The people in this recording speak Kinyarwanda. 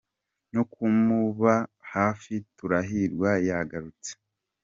no kumuba hafi Turahirwa yagarutse.